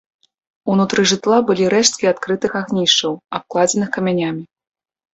Унутры жытла былі рэшткі адкрытых агнішчаў, абкладзеных камянямі.